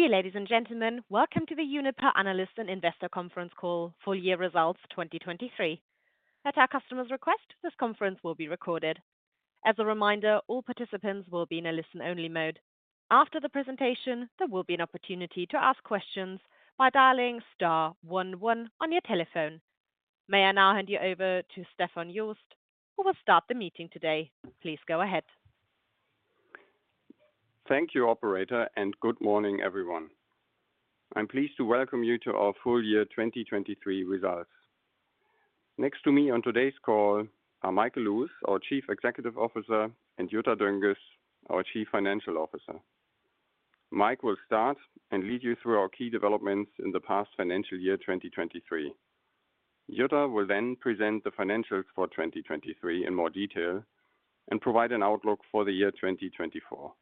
Dear ladies and gentlemen, welcome to the Uniper Analyst and Investor Conference call, full year results 2023. At our customer's request, this conference will be recorded. As a reminder, all participants will be in a listen-only mode. After the presentation, there will be an opportunity to ask questions by dialing STAR 11 on your telephone. May I now hand you over to Stefan Jost, who will start the meeting today. Please go ahead. Thank you, operator, and good morning, everyone. I'm pleased to welcome you to our full year 2023 results. Next to me on today's call are Michael Lewis, our Chief Executive Officer, and Jutta Dönges, our Chief Financial Officer. Mike will start and lead you through our key developments in the past financial year 2023. Jutta will then present the financials for 2023 in more detail and provide an outlook for the year 2024.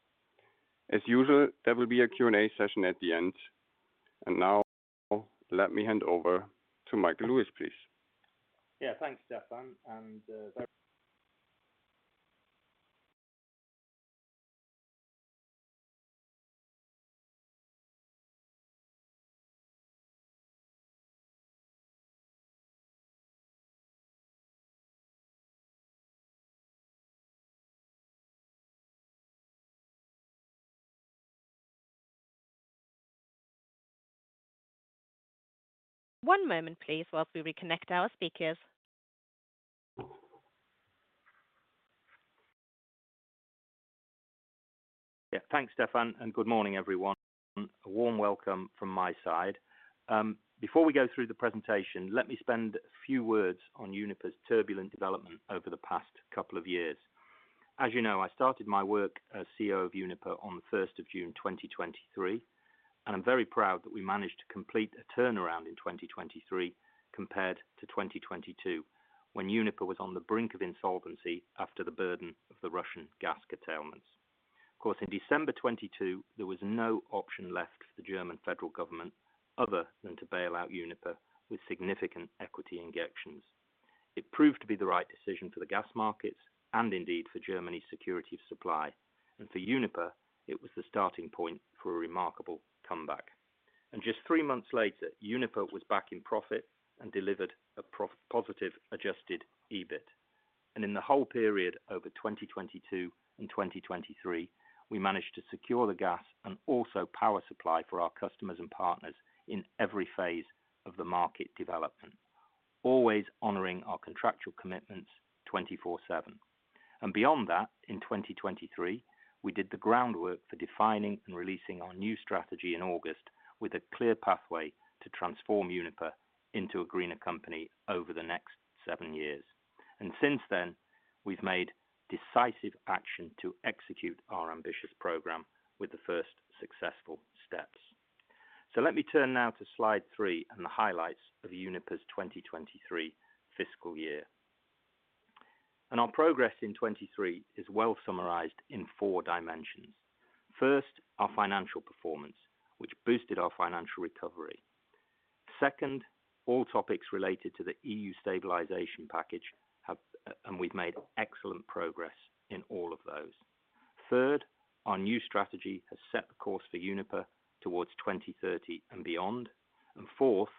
As usual, there will be a Q&A session at the end. And now, let me hand over to Michael Lewis, please. Yeah, thanks, Stefan. And very. One moment, please, while we reconnect our speakers. Yeah, thanks, Stefan, and good morning, everyone. A warm welcome from my side. Before we go through the presentation, let me spend a few words on Uniper's turbulent development over the past couple of years. As you know, I started my work as CEO of Uniper on 1 June 2023, and I'm very proud that we managed to complete a turnaround in 2023 compared to 2022, when Uniper was on the brink of insolvency after the burden of the Russian gas curtailments. Of course, in December 2022, there was no option left for the German federal government other than to bail out Uniper with significant equity injections. It proved to be the right decision for the gas markets and indeed for Germany's security of supply, and for Uniper, it was the starting point for a remarkable comeback. Just three months later, Uniper was back in profit and delivered a positive Adjusted EBIT. In the whole period over 2022 and 2023, we managed to secure the gas and also power supply for our customers and partners in every phase of the market development, always honoring our contractual commitments 24/7. Beyond that, in 2023, we did the groundwork for defining and releasing our new strategy in August with a clear pathway to transform Uniper into a greener company over the next seven years. Since then, we've made decisive action to execute our ambitious program with the first successful steps. So let me turn now to slide 3 and the highlights of Uniper's 2023 fiscal year. Our progress in 2023 is well summarized in four dimensions. First, our financial performance, which boosted our financial recovery. Second, all topics related to the EU stabilization package have, and we've made excellent progress in all of those. Third, our new strategy has set the course for Uniper towards 2030 and beyond. And fourth,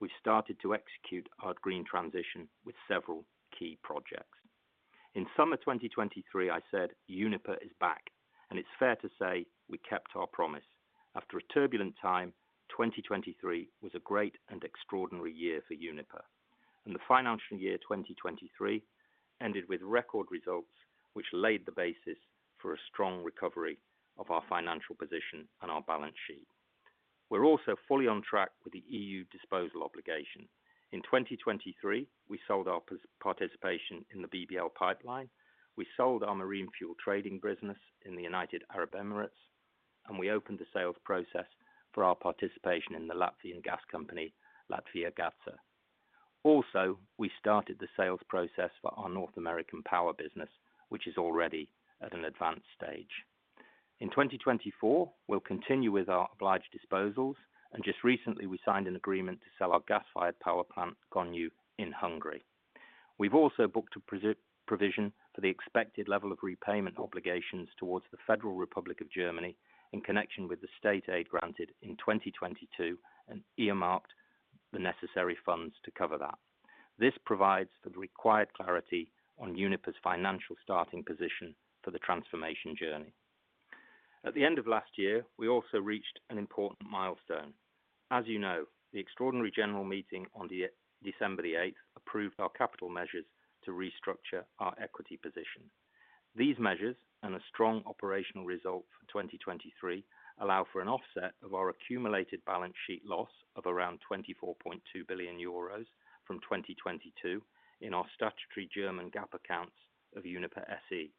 we've started to execute our green transition with several key projects. In summer 2023, I said, "Uniper is back," and it's fair to say we kept our promise. After a turbulent time, 2023 was a great and extraordinary year for Uniper, and the financial year 2023 ended with record results, which laid the basis for a strong recovery of our financial position and our balance sheet. We're also fully on track with the EU disposal obligation. In 2023, we sold our participation in the BBL Pipeline, we sold our marine fuel trading business in the United Arab Emirates, and we opened the sales process for our participation in the Latvian gas company, Latvijas Gāze. Also, we started the sales process for our North American power business, which is already at an advanced stage. In 2024, we'll continue with our obliged disposals, and just recently we signed an agreement to sell our gas-fired power plant, Gönyű, in Hungary. We've also booked a provision for the expected level of repayment obligations towards the Federal Republic of Germany in connection with the state aid granted in 2022 and earmarked the necessary funds to cover that. This provides for the required clarity on Uniper's financial starting position for the transformation journey. At the end of last year, we also reached an important milestone. As you know, the extraordinary general meeting on December 8th approved our capital measures to restructure our equity position. These measures and a strong operational result for 2023 allow for an offset of our accumulated balance sheet loss of around 24.2 billion euros from 2022 in our statutory German GAAP accounts of Uniper SE.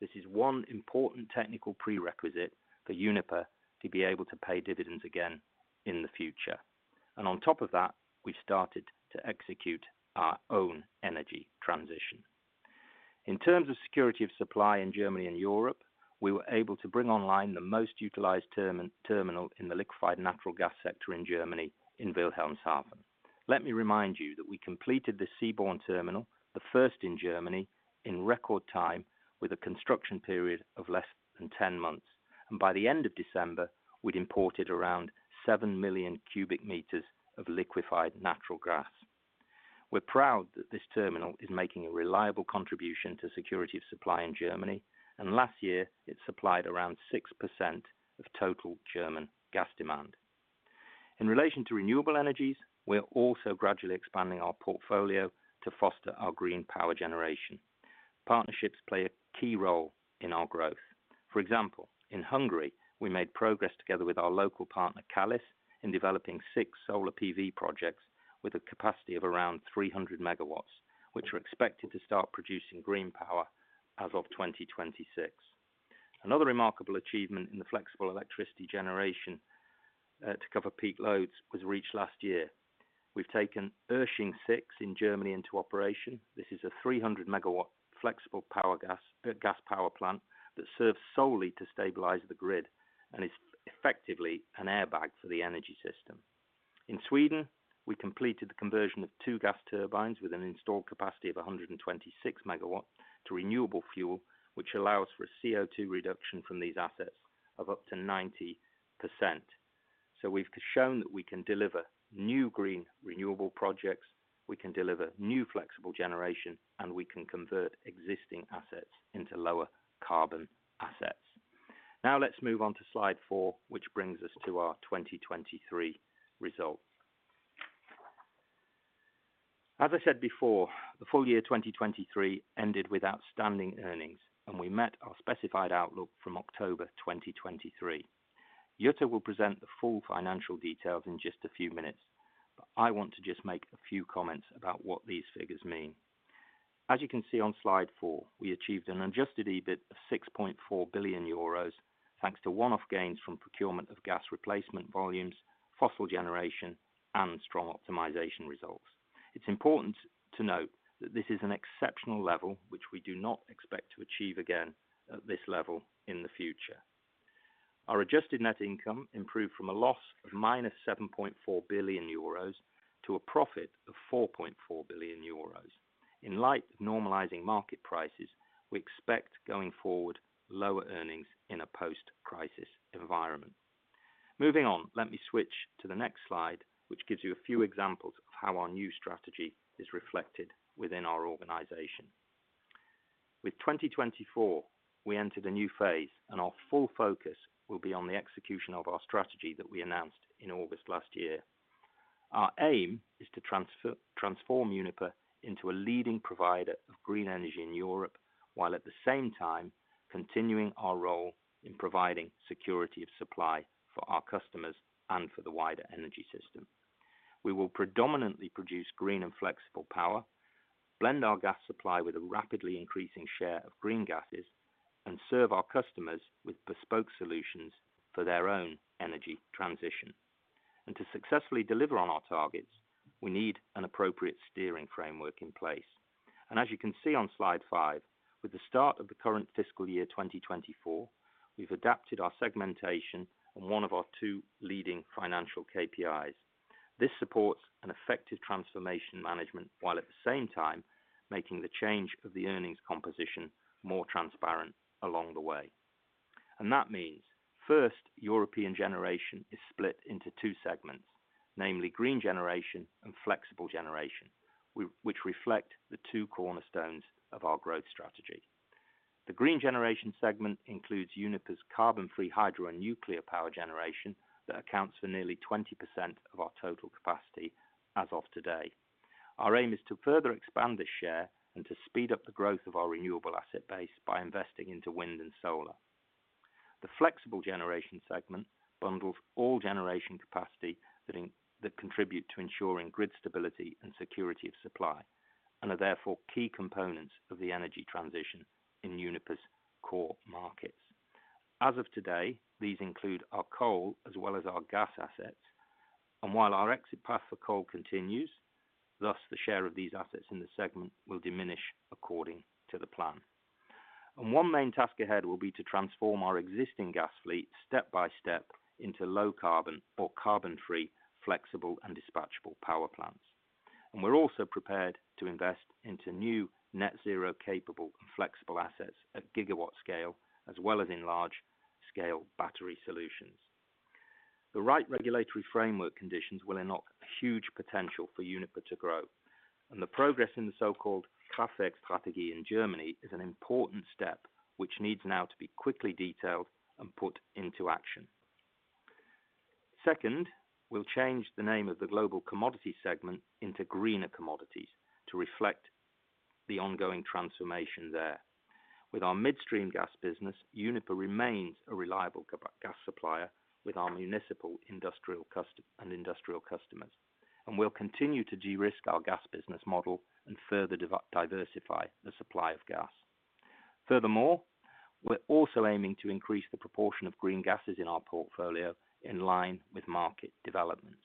This is one important technical prerequisite for Uniper to be able to pay dividends again in the future. And on top of that, we've started to execute our own energy transition. In terms of security of supply in Germany and Europe, we were able to bring online the most utilized terminal in the liquefied natural gas sector in Germany in Wilhelmshaven. Let me remind you that we completed the seaborne terminal, the first in Germany, in record time with a construction period of less than 10 months, and by the end of December, we'd imported around 7 million cubic meters of liquefied natural gas. We're proud that this terminal is making a reliable contribution to security of supply in Germany, and last year it supplied around 6% of total German gas demand. In relation to renewable energies, we're also gradually expanding our portfolio to foster our green power generation. Partnerships play a key role in our growth. For example, in Hungary, we made progress together with our local partner, Callux, in developing six solar PV projects with a capacity of around 300 megawatts, which are expected to start producing green power as of 2026. Another remarkable achievement in the flexible electricity generation to cover peak loads was reached last year. We've taken Irsching 6 in Germany into operation. This is a 300-megawatt flexible gas power plant that serves solely to stabilize the grid and is effectively an airbag for the energy system. In Sweden, we completed the conversion of two gas turbines with an installed capacity of 126 MW to renewable fuel, which allows for a CO2 reduction from these assets of up to 90%. So we've shown that we can deliver new green renewable projects, we can deliver new flexible generation, and we can convert existing assets into lower carbon assets. Now let's move on to slide 4, which brings us to our 2023 results. As I said before, the full year 2023 ended with outstanding earnings, and we met our specified outlook from October 2023. Jutta will present the full financial details in just a few minutes, but I want to just make a few comments about what these figures mean. As you can see on slide 4, we achieved an adjusted EBIT of 6.4 billion euros, thanks to one-off gains from procurement of gas replacement volumes, fossil generation, and strong optimization results. It's important to note that this is an exceptional level, which we do not expect to achieve again at this level in the future. Our adjusted net income improved from a loss of 7.4 billion euros to a profit of 4.4 billion euros. In light of normalizing market prices, we expect going forward lower earnings in a post-crisis environment. Moving on, let me switch to the next slide, which gives you a few examples of how our new strategy is reflected within our organization. With 2024, we entered a new phase, and our full focus will be on the execution of our strategy that we announced in August last year. Our aim is to transform Uniper into a leading provider of green energy in Europe, while at the same time continuing our role in providing security of supply for our customers and for the wider energy system. We will predominantly produce green and flexible power, blend our gas supply with a rapidly increasing share of green gases, and serve our customers with bespoke solutions for their own energy transition. To successfully deliver on our targets, we need an appropriate steering framework in place. As you can see on slide 5, with the start of the current fiscal year 2024, we've adapted our segmentation and one of our two leading financial KPIs. This supports an effective transformation management while at the same time making the change of the earnings composition more transparent along the way. That means, first, European generation is split into two segments, namely green generation and flexible generation, which reflect the two cornerstones of our growth strategy. The green generation segment includes Uniper's carbon-free hydro and nuclear power generation that accounts for nearly 20% of our total capacity as of today. Our aim is to further expand this share and to speed up the growth of our renewable asset base by investing into wind and solar. The flexible generation segment bundles all generation capacity that contribute to ensuring grid stability and security of supply, and are therefore key components of the energy transition in Uniper's core markets. As of today, these include our coal as well as our gas assets. While our exit path for coal continues, thus the share of these assets in the segment will diminish according to the plan. One main task ahead will be to transform our existing gas fleet step by step into low carbon or carbon-free flexible and dispatchable power plants. We're also prepared to invest into new net-zero capable and flexible assets at gigawatt scale, as well as in large-scale battery solutions. The right regulatory framework conditions will unlock a huge potential for Uniper to grow. The progress in the so-called Kraftwerkstrategie in Germany is an important step, which needs now to be quickly detailed and put into action. Second, we'll change the name of the global commodity segment into greener commodities to reflect the ongoing transformation there. With our midstream gas business, Uniper remains a reliable gas supplier with our municipal, industrial, customer and industrial customers, and we'll continue to de-risk our gas business model and further diversify the supply of gas. Furthermore, we're also aiming to increase the proportion of green gases in our portfolio in line with market developments.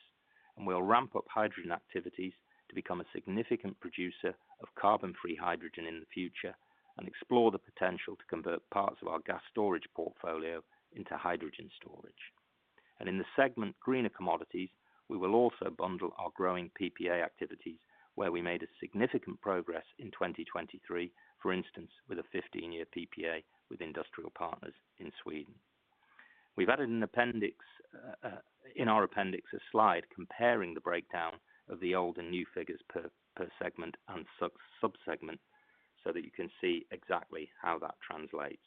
And we'll ramp up hydrogen activities to become a significant producer of carbon-free hydrogen in the future and explore the potential to convert parts of our gas storage portfolio into hydrogen storage. And in the segment greener commodities, we will also bundle our growing PPA activities, where we made a significant progress in 2023, for instance, with a 15-year PPA with industrial partners in Sweden. We've added an appendix, in our appendix a slide comparing the breakdown of the old and new figures per segment and subsegment, so that you can see exactly how that translates.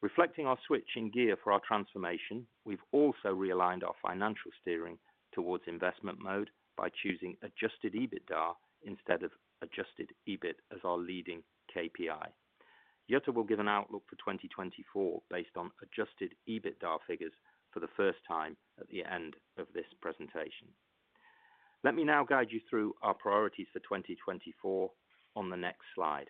Reflecting our switching gear for our transformation, we've also realigned our financial steering towards investment mode by choosing Adjusted EBITDA instead of Adjusted EBIT as our leading KPI. Jutta will give an outlook for 2024 based on Adjusted EBITDA figures for the first time at the end of this presentation. Let me now guide you through our priorities for 2024 on the next slide.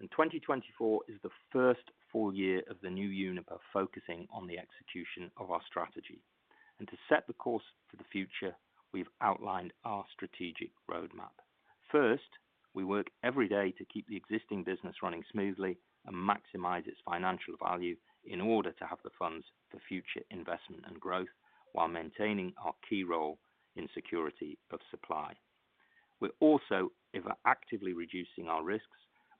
2024 is the first full year of the new Uniper focusing on the execution of our strategy. To set the course for the future, we've outlined our strategic roadmap. First, we work every day to keep the existing business running smoothly and maximize its financial value in order to have the funds for future investment and growth while maintaining our key role in security of supply. We're also actively reducing our risks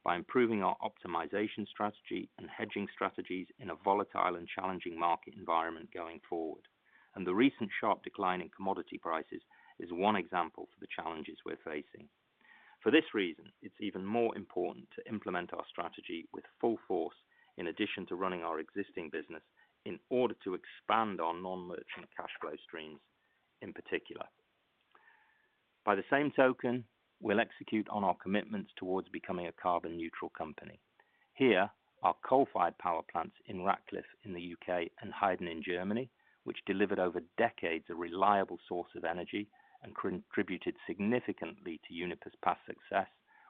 by improving our optimization strategy and hedging strategies in a volatile and challenging market environment going forward. The recent sharp decline in commodity prices is one example for the challenges we're facing. For this reason, it's even more important to implement our strategy with full force, in addition to running our existing business, in order to expand our non-merchant cash flow streams in particular. By the same token, we'll execute on our commitments towards becoming a carbon-neutral company. Here, our coal-fired power plants in Ratcliffe in the U.K. and Heyden in Germany, which delivered over decades a reliable source of energy and contributed significantly to Uniper's past success,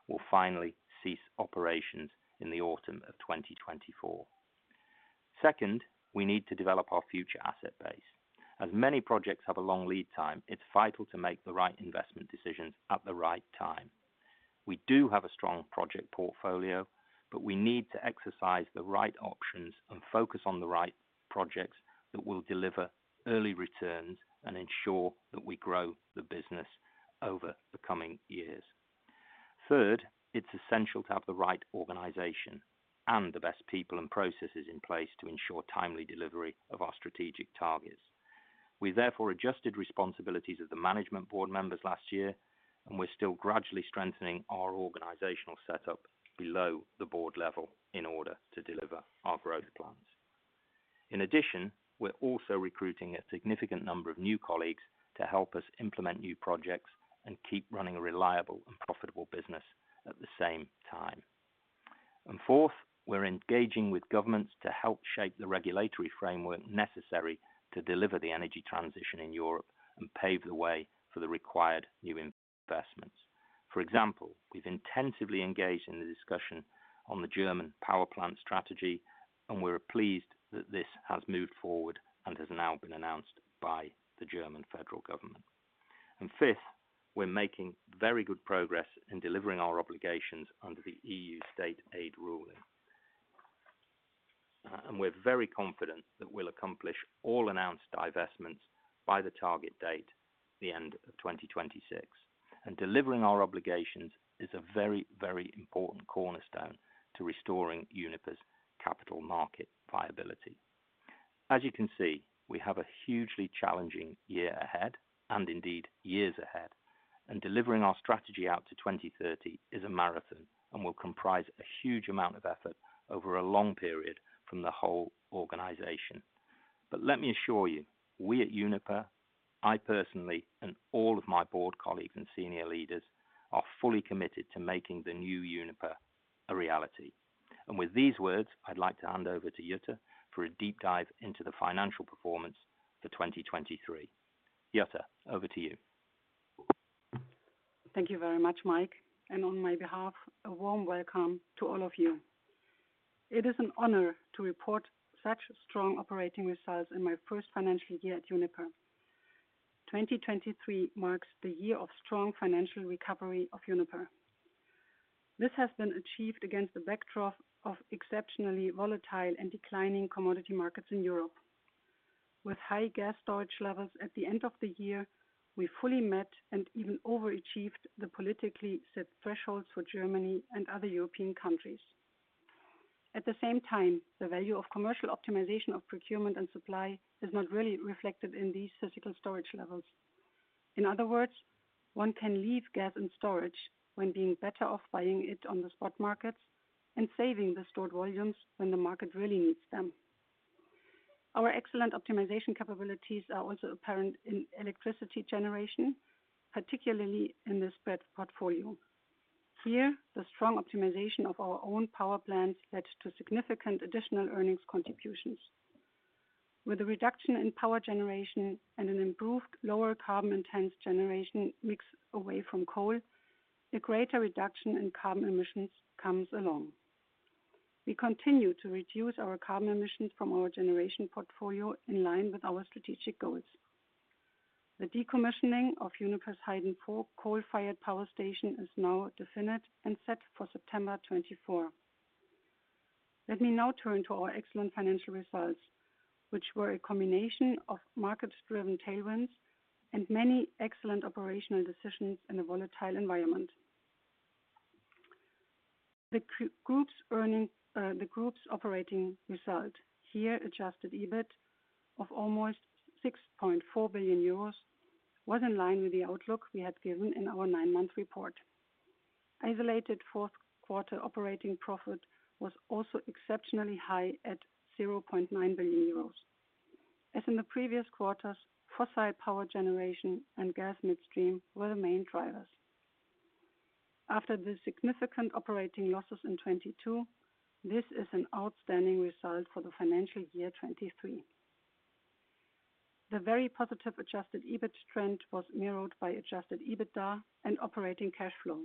will finally cease operations in the autumn of 2024. Second, we need to develop our future asset base. As many projects have a long lead time, it's vital to make the right investment decisions at the right time. We do have a strong project portfolio, but we need to exercise the right options and focus on the right projects that will deliver early returns and ensure that we grow the business over the coming years. Third, it's essential to have the right organization and the best people and processes in place to ensure timely delivery of our strategic targets. We've therefore adjusted responsibilities of the management board members last year, and we're still gradually strengthening our organizational setup below the board level in order to deliver our growth plans. In addition, we're also recruiting a significant number of new colleagues to help us implement new projects and keep running a reliable and profitable business at the same time. Fourth, we're engaging with governments to help shape the regulatory framework necessary to deliver the energy transition in Europe and pave the way for the required new investments. For example, we've intensively engaged in the discussion on the German power plant strategy, and we're pleased that this has moved forward and has now been announced by the German federal government. And fifth, we're making very good progress in delivering our obligations under the EU state aid ruling. And we're very confident that we'll accomplish all announced divestments by the target date, the end of 2026. And delivering our obligations is a very, very important cornerstone to restoring Uniper's capital market viability. As you can see, we have a hugely challenging year ahead, and indeed years ahead. And delivering our strategy out to 2030 is a marathon, and will comprise a huge amount of effort over a long period from the whole organization. Let me assure you, we at Uniper, I personally, and all of my board colleagues and senior leaders, are fully committed to making the new Uniper a reality. With these words, I'd like to hand over to Jutta for a deep dive into the financial performance for 2023. Jutta, over to you. Thank you very much, Mike. On my behalf, a warm welcome to all of you. It is an honor to report such strong operating results in my first financial year at Uniper. 2023 marks the year of strong financial recovery of Uniper. This has been achieved against the backdrop of exceptionally volatile and declining commodity markets in Europe. With high gas storage levels at the end of the year, we fully met and even overachieved the politically set thresholds for Germany and other European countries. At the same time, the value of commercial optimisation of procurement and supply is not really reflected in these physical storage levels. In other words, one can leave gas in storage when being better off buying it on the spot markets and saving the stored volumes when the market really needs them. Our excellent optimization capabilities are also apparent in electricity generation, particularly in the spread portfolio. Here, the strong optimization of our own power plants led to significant additional earnings contributions. With a reduction in power generation and an improved lower carbon-intensive generation mix away from coal, a greater reduction in carbon emissions comes along. We continue to reduce our carbon emissions from our generation portfolio in line with our strategic goals. The decommissioning of Uniper's Heyden 4 coal-fired power station is now definite and set for September 2024. Let me now turn to our excellent financial results, which were a combination of market-driven tailwinds and many excellent operational decisions in a volatile environment. The Uniper group's earnings, the group's operating result, here Adjusted EBIT of almost 6.4 billion euros, was in line with the outlook we had given in our nine-month report. Isolated fourth quarter operating profit was also exceptionally high at 0.9 billion euros. As in the previous quarters, fossil power generation and gas midstream were the main drivers. After the significant operating losses in 2022, this is an outstanding result for the financial year 2023. The very positive Adjusted EBIT trend was mirrored by Adjusted EBITDA and operating cash flow.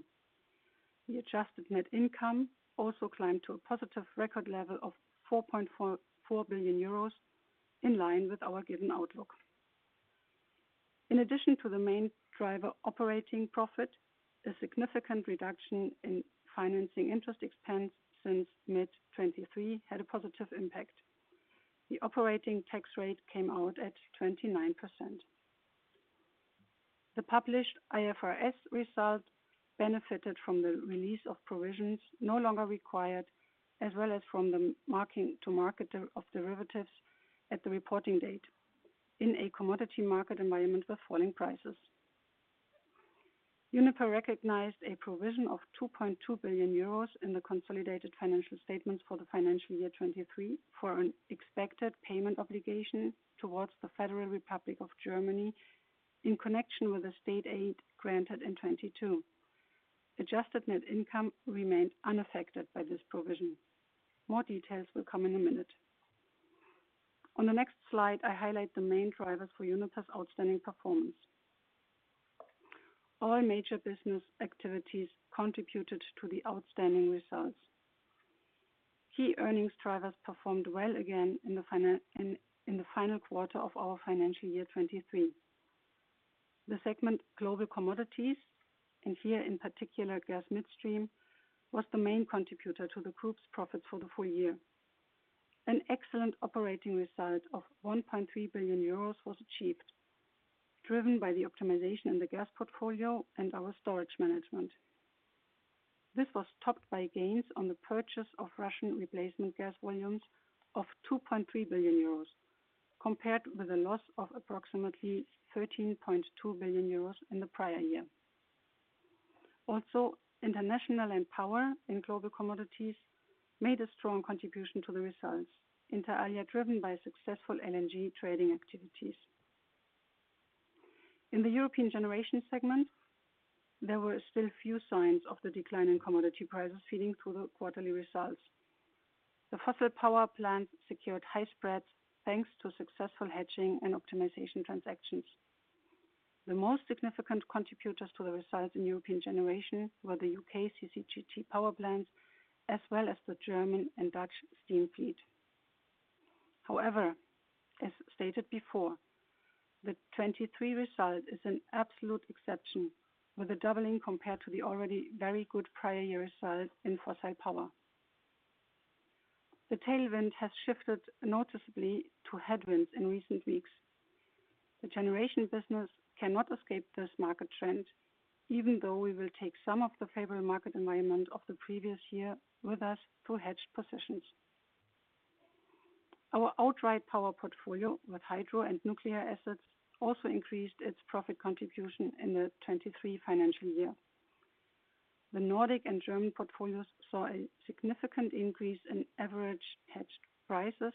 The Adjusted Net Income also climbed to a positive record level of 4.4 billion euros, in line with our given outlook. In addition to the main driver operating profit, a significant reduction in financing interest expense since mid-2023 had a positive impact. The operating tax rate came out at 29%. The published IFRS result benefited from the release of provisions no longer required, as well as from the marking-to-market of derivatives at the reporting date in a commodity market environment with falling prices. Uniper recognized a provision of 2.2 billion euros in the consolidated financial statements for the financial year 2023 for an expected payment obligation towards the Federal Republic of Germany in connection with the state aid granted in 2022. Adjusted net income remained unaffected by this provision. More details will come in a minute. On the next slide, I highlight the main drivers for Uniper's outstanding performance. All major business activities contributed to the outstanding results. Key earnings drivers performed well again in the final quarter of our financial year 2023. The segment global commodities, and here in particular gas midstream, was the main contributor to the group's profits for the full year. An excellent operating result of 1.3 billion euros was achieved, driven by the optimization in the gas portfolio and our storage management. This was topped by gains on the purchase of Russian replacement gas volumes of 2.3 billion euros, compared with a loss of approximately 13.2 billion euros in the prior year. Also, international power in global commodities made a strong contribution to the results, inter alia driven by successful LNG trading activities. In the European generation segment, there were still few signs of the decline in commodity prices feeding through the quarterly results. The fossil power plants secured high spreads thanks to successful hedging and optimization transactions. The most significant contributors to the results in European generation were the U.K. CCGT power plants, as well as the German and Dutch steam fleet. However, as stated before, the 2023 result is an absolute exception, with a doubling compared to the already very good prior year result in fossil power. The tailwind has shifted noticeably to headwinds in recent weeks. The generation business cannot escape this market trend, even though we will take some of the favorable market environment of the previous year with us through hedged positions. Our outright power portfolio, with hydro and nuclear assets, also increased its profit contribution in the 2023 financial year. The Nordic and German portfolios saw a significant increase in average hedged prices,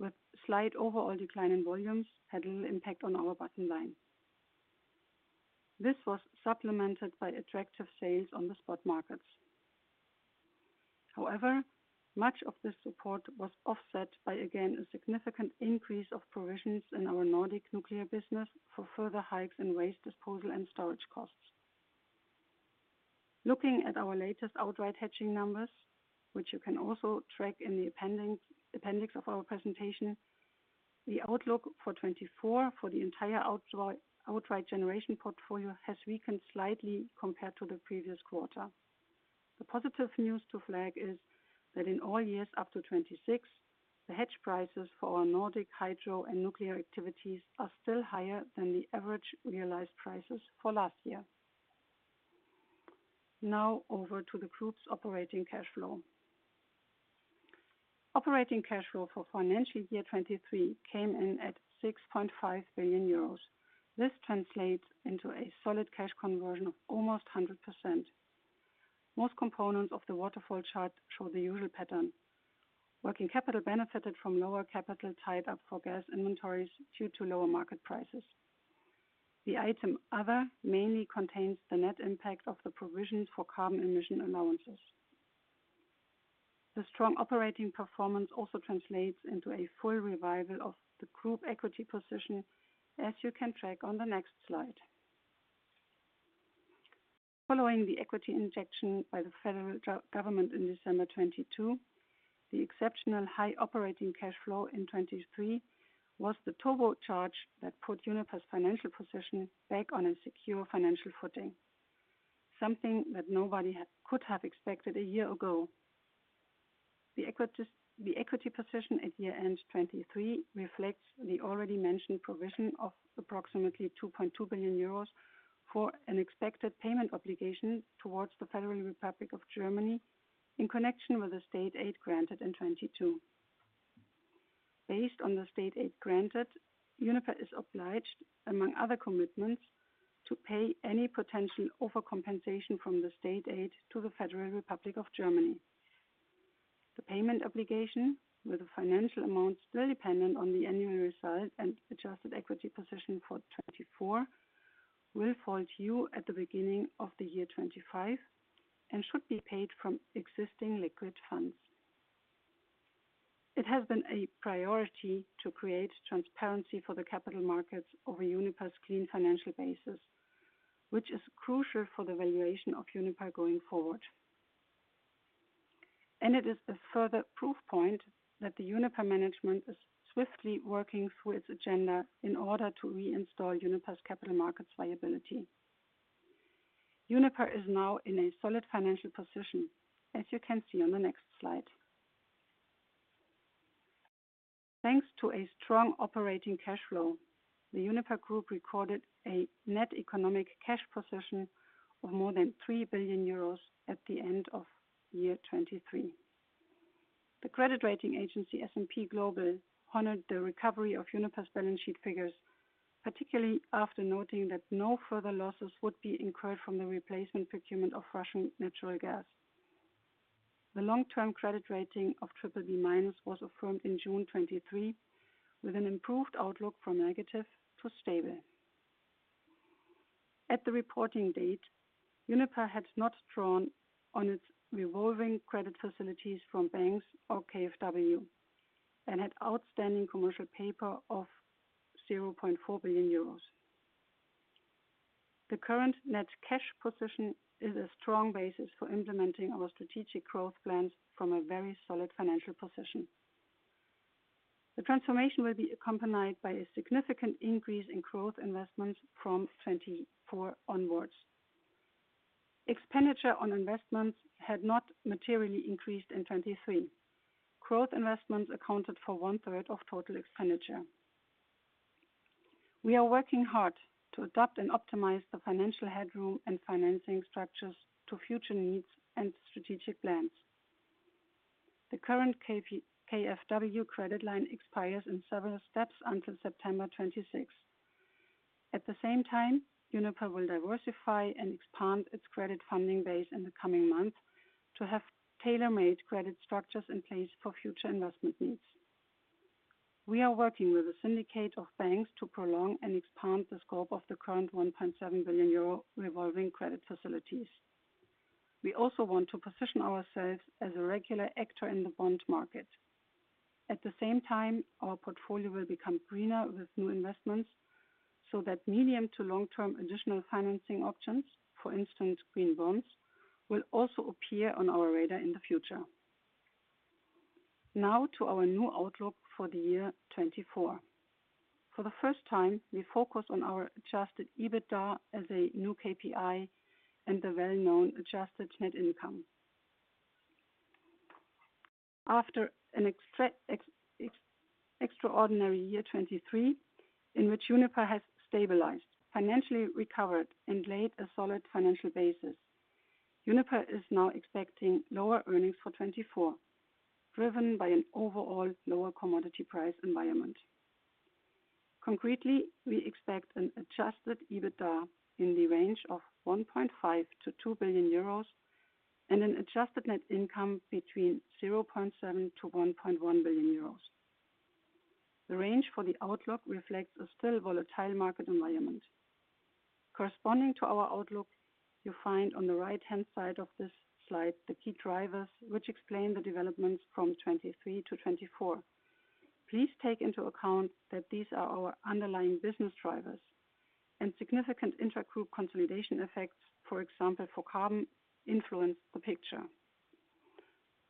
with slight overall decline in volumes had little impact on our bottom line. This was supplemented by attractive sales on the spot markets. However, much of this support was offset by, again, a significant increase of provisions in our Nordic nuclear business for further hikes in waste disposal and storage costs. Looking at our latest outright hedging numbers, which you can also track in the appendix of our presentation, the outlook for 2024 for the entire outright generation portfolio has weakened slightly compared to the previous quarter. The positive news to flag is that in all years up to 2026, the hedge prices for our Nordic hydro and nuclear activities are still higher than the average realised prices for last year. Now over to the group's operating cash flow. Operating cash flow for financial year 2023 came in at 6.5 billion euros. This translates into a solid cash conversion of almost 100%. Most components of the waterfall chart show the usual pattern. Working capital benefited from lower capital tied up for gas inventories due to lower market prices. The item other mainly contains the net impact of the provisions for carbon emission allowances. The strong operating performance also translates into a full revival of the group equity position, as you can track on the next slide. Following the equity injection by the Federal German government in December 2022, the exceptional high operating cash flow in 2023 was the turbo charge that put Uniper's financial position back on a secure financial footing, something that nobody could have expected a year ago. The equity position at year-end 2023 reflects the already mentioned provision of approximately 2.2 billion euros for an expected payment obligation towards the Federal Republic of Germany in connection with the state aid granted in 2022. Based on the state aid granted, Uniper is obliged, among other commitments, to pay any potential overcompensation from the state aid to the Federal Republic of Germany. The payment obligation, with a financial amount still dependent on the annual result and adjusted equity position for 2024, will fall due at the beginning of the year 2025 and should be paid from existing liquid funds. It has been a priority to create transparency for the capital markets over Uniper's clean financial basis, which is crucial for the valuation of Uniper going forward. It is a further proof point that the Uniper management is swiftly working through its agenda in order to reinstall Uniper's capital markets viability. Uniper is now in a solid financial position, as you can see on the next slide. Thanks to a strong operating cash flow, the Uniper group recorded a net economic cash position of more than 3 billion euros at the end of year 2023. The credit rating agency S&P Global honoured the recovery of Uniper's balance sheet figures, particularly after noting that no further losses would be incurred from the replacement procurement of Russian natural gas. The long-term credit rating of BBB- was affirmed in June 2023, with an improved outlook from negative to stable. At the reporting date, Uniper had not drawn on its revolving credit facilities from banks or KfW and had outstanding commercial paper of 0.4 billion euros. The current net cash position is a strong basis for implementing our strategic growth plans from a very solid financial position. The transformation will be accompanied by a significant increase in growth investments from 2024 onwards. Expenditure on investments had not materially increased in 2023. Growth investments accounted for one-third of total expenditure. We are working hard to adopt and optimize the financial headroom and financing structures to future needs and strategic plans. The current KfW credit line expires in several steps until September 2026. At the same time, Uniper will diversify and expand its credit funding base in the coming months to have tailor-made credit structures in place for future investment needs. We are working with the syndicate of banks to prolong and expand the scope of the current 1.7 billion euro revolving credit facilities. We also want to position ourselves as a regular actor in the bond market. At the same time, our portfolio will become greener with new investments, so that medium to long-term additional financing options, for instance, green bonds, will also appear on our radar in the future. Now to our new outlook for the year 2024. For the first time, we focus on our Adjusted EBITDA as a new KPI and the well-known Adjusted Net Income. After an extra-extra-extraordinary year 2023, in which Uniper has stabilized, financially recovered, and laid a solid financial basis, Uniper is now expecting lower earnings for 2024, driven by an overall lower commodity price environment. Concretely, we expect an adjusted EBITDA in the range of 1.5 billion-2 billion euros and an adjusted net income between 0.7 billion-1.1 billion euros. The range for the outlook reflects a still volatile market environment. Corresponding to our outlook, you find on the right-hand side of this slide the key drivers, which explain the developments from 2023 to 2024. Please take into account that these are our underlying business drivers, and significant intra-group consolidation effects, for example, for carbon, influence the picture.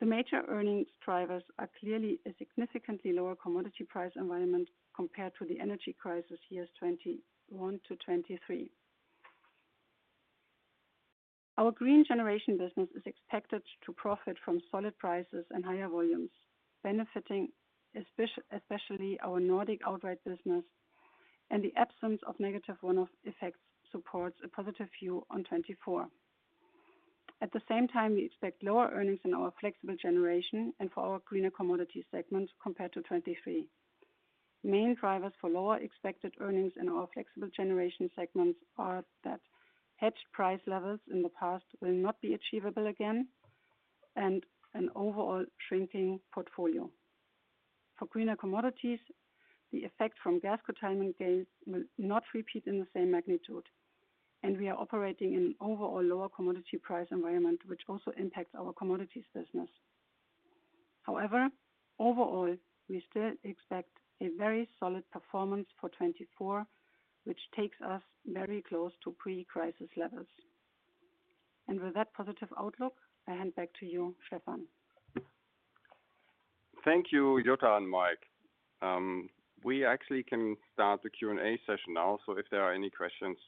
The major earnings drivers are clearly a significantly lower commodity price environment compared to the energy crisis years 2021 to 2023. Our green generation business is expected to profit from solid prices and higher volumes, benefiting especially our Nordic outright business, and the absence of negative one-off effects supports a positive view on 2024. At the same time, we expect lower earnings in our flexible generation and for our greener commodities segments compared to 2023. Main drivers for lower expected earnings in our flexible generation segments are that hedged price levels in the past will not be achievable again, and an overall shrinking portfolio. For greener commodities, the effect from gas retirement gains will not repeat in the same magnitude, and we are operating in an overall lower commodity price environment, which also impacts our commodities business. However, overall, we still expect a very solid performance for 2024, which takes us very close to pre-crisis levels. And with that positive outlook, I hand back to you, Stefan. Thank you, Jutta and Mike. We actually can start the Q&A session now, so if there are any questions,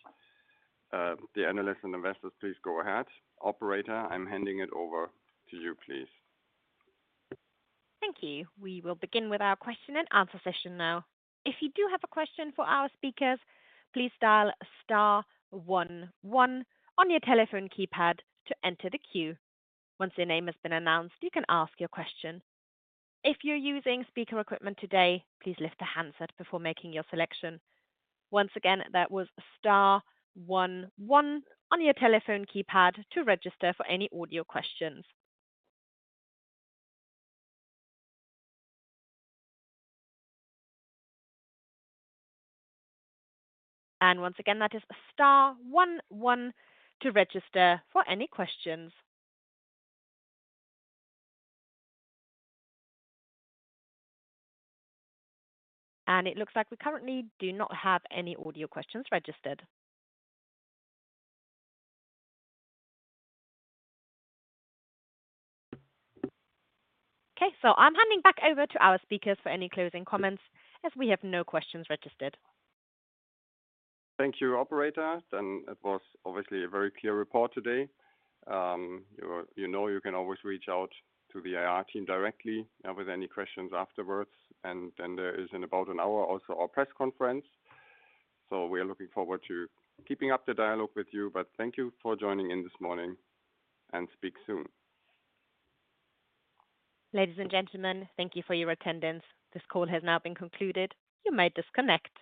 the analysts and investors, please go ahead. Operator, I'm handing it over to you, please. Thank you. We will begin with our question and answer session now. If you do have a question for our speakers, please dial star 11 on your telephone keypad to enter the queue. Once your name has been announced, you can ask your question. If you're using speaker equipment today, please lift the handset before making your selection. Once again, that was star 11 on your telephone keypad to register for any audio questions. Once again, that is star 11 to register for any questions. It looks like we currently do not have any audio questions registered. Okay, I'm handing back over to our speakers for any closing comments, as we have no questions registered. Thank you, Operator. It was obviously a very clear report today. You're, you know, you can always reach out to the IR team directly with any questions afterwards, and then there is, in about an hour, also our press conference. So we are looking forward to keeping up the dialogue with you, but thank you for joining in this morning, and speak soon. Ladies and gentlemen, thank you for your attendance. This call has now been concluded. You may disconnect.